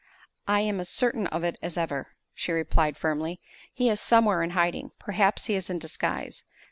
"I am as certain of it as ever," she replied, firmly. "He is somewhere in hiding; perhaps he is in disguise.